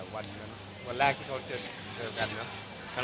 วันแรกที่เค้าเจอกัน